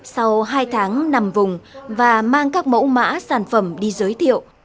sau hai tháng nằm vùng và mang các mẫu mã sản phẩm đi giới thiệu